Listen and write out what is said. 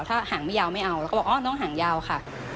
ถ้าหางไม่ยาวไม่เอาแล้วก็บอกอ๋อน้องหางยาวค่ะ